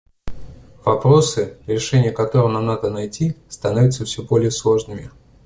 Вопросы, решения которым нам надо найти, становятся все более сложными.